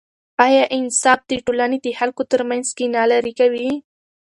آیا انصاف د ټولنې د خلکو ترمنځ کینه لیرې کوي؟